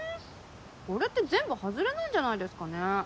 これって全部はずれなんじゃないですかね？